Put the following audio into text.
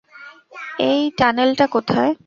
এই টানেলটা কোথায়?